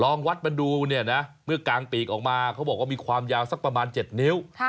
วัดมาดูเนี่ยนะเมื่อกลางปีกออกมาเขาบอกว่ามีความยาวสักประมาณ๗นิ้ว